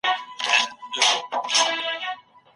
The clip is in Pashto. دا اثر د تاریخ په پېژندنه کي مرسته کوي.